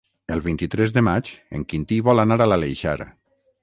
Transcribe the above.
El vint-i-tres de maig en Quintí vol anar a l'Aleixar.